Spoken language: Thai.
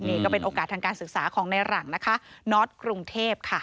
นี่ก็เป็นโอกาสทางการศึกษาของในหลังนะคะน็อตกรุงเทพค่ะ